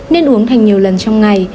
nên uống thành nhiều lần trong ngày